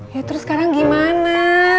ya terus sekarang gimana